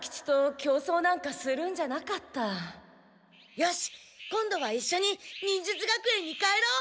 よし今度はいっしょに忍術学園に帰ろう！